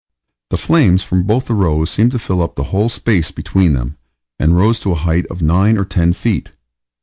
The flames from both the rows seemed to fill up the whole space between them, and rose to the height of 9 or 10 feet.